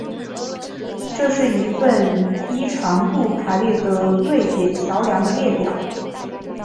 这是一份依长度排列的瑞典桥梁的列表